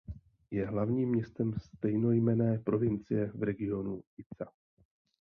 Je hlavním městem stejnojmenné provincie v regionu Ica.